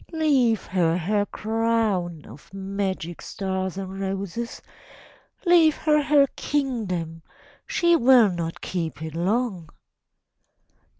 . Leave her her crown of magic stars and roses, Leave her her kingdom—she will not keep it long!